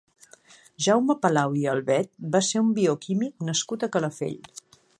Jaume Palau i Albet va ser un bioquímic nascut a Calafell.